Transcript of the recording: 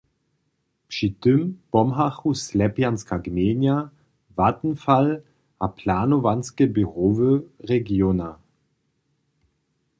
Při tym pomhachu Slepjanska gmejna, Vattenfall a planowanske běrowy regiona.